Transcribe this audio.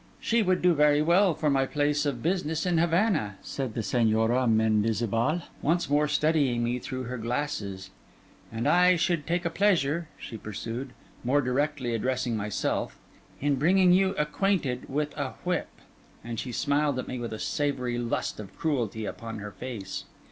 'She would do very well for my place of business in Havana,' said the Señora Mendizabal, once more studying me through her glasses; 'and I should take a pleasure,' she pursued, more directly addressing myself, 'in bringing you acquainted with a whip.' And she smiled at me with a savoury lust of cruelty upon her face.